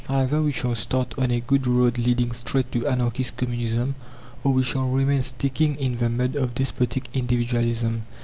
Either we shall start on a good road leading straight to anarchist communism, or we shall remain sticking in the mud of despotic individualism.